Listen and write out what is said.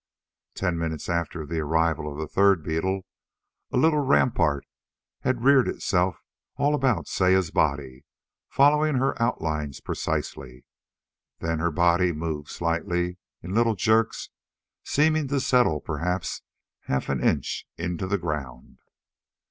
Ten minutes after the arrival of the third beetle, a little rampart had reared itself all about Saya's body, following her outlines precisely. Then her body moved slightly, in little jerks, seeming to settle perhaps half an inch into the ground.